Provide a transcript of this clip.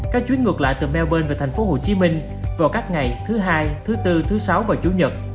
các chuyến ngược lại từ melbourn về tp hcm vào các ngày thứ hai thứ bốn thứ sáu và chủ nhật